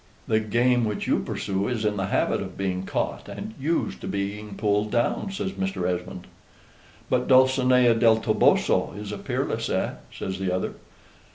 "The game which you pursue is in the habit of being caught, and used to being pulled down," says Mr. Esmond. "But Dulcinea del Toboso is peerless, eh?" says the other.